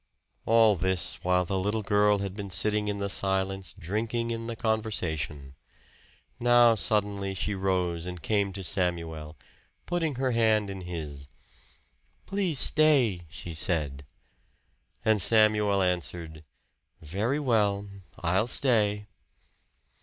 All this while the little girl had been sitting in silence drinking in the conversation. Now suddenly she rose and came to Samuel, putting her hand in his. "Please stay," she said. And Samuel answered, "Very well I'll stay."